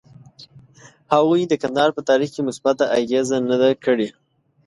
هغوی د کندهار په تاریخ کې مثبته اغیزه نه ده کړې.